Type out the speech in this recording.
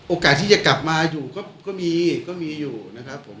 โอกาสที่จะกลับมาอยู่ก็มีก็มีอยู่นะครับผม